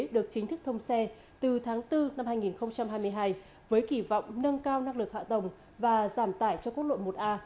được chính thức thông xe từ tháng bốn năm hai nghìn hai mươi hai với kỳ vọng nâng cao năng lực hạ tầng và giảm tải cho quốc lộ một a